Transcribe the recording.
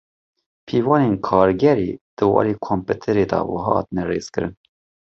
Pîvanên Kargerê di warê komputerê de wiha hatine rêzkirin.